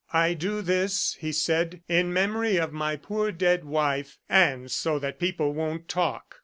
"I do this," he said, "in memory of my poor dead wife, and so that people won't talk."